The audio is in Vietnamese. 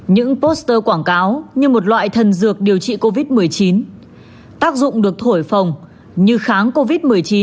những poster quảng cáo như một loại thần dược điều trị covid một mươi chín tác dụng được thổi phòng như kháng covid một mươi chín